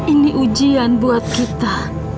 ini ujian buat kita